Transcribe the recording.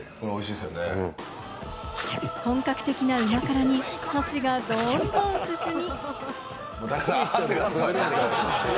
本格的なうま辛に箸がどんどん進み。